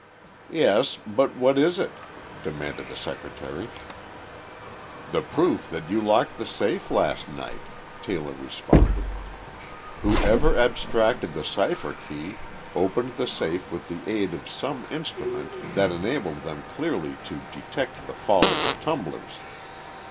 "Yes, but what is it?" demanded the Secretary. "The proof that you locked the safe last night," Taylor responded. "Whoever abstracted the cipher key opened the safe with the aid of some instrument that enabled them clearly to detect the fall of the tumblers.